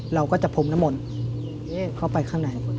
เราก็จะพรมน้ำมนต์เข้าไปข้างใน